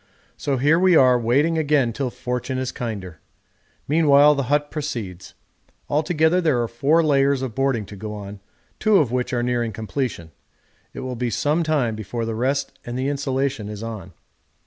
So here we are waiting again till fortune is kinder. Meanwhile the hut proceeds; altogether there are four layers of boarding to go on, two of which are nearing completion; it will be some time before the rest and the insulation is on.